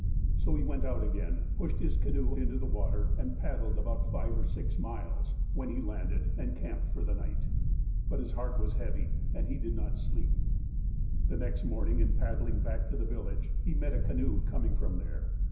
So he went out again, pushed his canoe into the water, and paddled about five or sis miles, when he landed and camped for the night. But his heart was heavy, and he did not sleep. " The next morning, in paddling back to the village, he met a canoe coming from there.